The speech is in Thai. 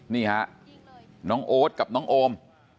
นี่ฮะน้องโอ๊ตกับน้องโอม